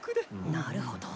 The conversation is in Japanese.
なるほど。